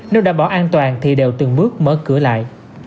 nếu đảm bảo an toàn thì đều từng bước mở cửa lại